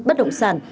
bất động sản